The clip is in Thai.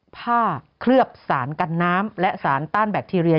เคลือบสารกันน้ำและสารต้านแบคทีเรีย